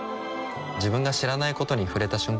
自分が知らないことに触れた瞬間